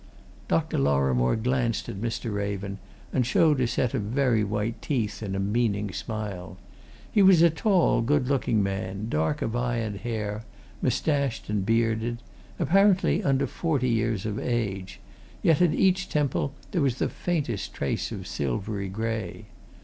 Dr. Lorrimore glanced at Mr. Raven and showed a set of very white teeth in a meaning smile. He was a tall, good looking man, dark of eye and hair; moustached and bearded; apparently under forty years of age yet, at each temple, there was the faintest trace of silvery grey.